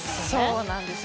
そうなんです。